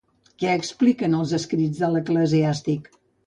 Què expliquen els escrits de l'eclesiàstic?